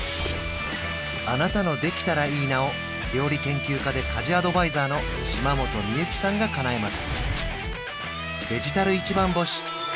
あなたの「できたらいいな」を料理研究家で家事アドバイザーの島本美由紀さんがかなえます